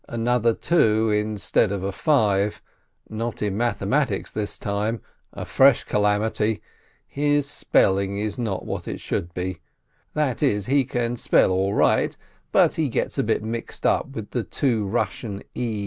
Another two instead of a five, not in mathematics this time — a fresh calamity ! His spelling is not what it should be. That is, he can spell all right, but he gets a bit mixed with the two Rus sian e's.